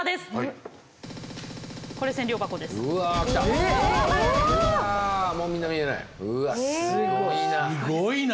すごいな。